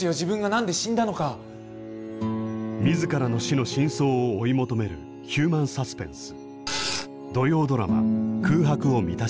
自らの死の真相を追い求めるヒューマンサスペンス。